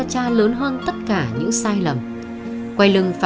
trong số tài sản ít ỏi của mình